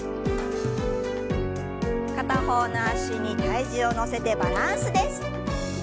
片方の脚に体重を乗せてバランスです。